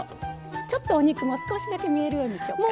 ちょっとお肉も少しだけ見えるようにしようか。